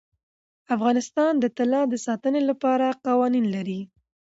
افغانستان د طلا د ساتنې لپاره قوانین لري.